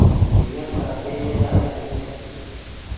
kinget lapkeiyetap stimet kityo